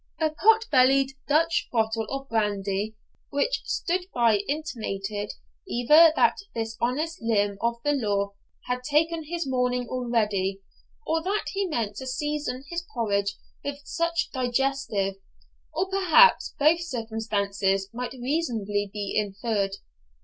A pot bellied Dutch bottle of brandy which stood by intimated either that this honest limb of the law had taken his morning already, or that he meant to season his porridge with such digestive; or perhaps both circumstances might reasonably be inferred.